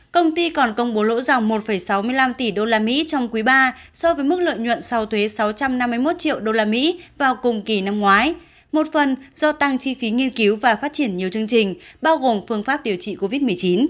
công ty còn công bố lỗ dòng một sáu mươi năm tỷ usd trong quý ba so với mức lợi nhuận sau thuế sáu trăm năm mươi một triệu usd vào cùng kỳ năm ngoái một phần do tăng chi phí nghiên cứu và phát triển nhiều chương trình bao gồm phương pháp điều trị covid một mươi chín